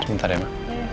sebentar ya ma